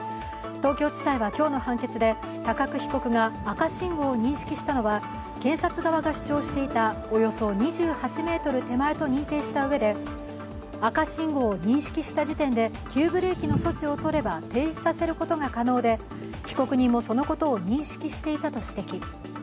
東京地裁は今日の判決で高久被告が赤信号を認識したのは検察側が主張していたおよそ２８ｍ手前と認定したうえで赤信号を認識した時点で急ブレーキの措置を取れば停止させることが可能で被告人もそのことを認識していたと指摘。